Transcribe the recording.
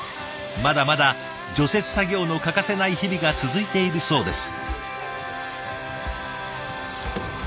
まだまだ除雪作業の欠かせない日々が続いているそうです。